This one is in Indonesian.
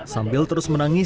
sambil terus menangis